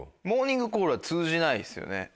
モーニングコールは通じないですよね。